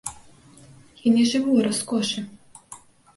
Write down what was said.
Я не жыву ў раскошы.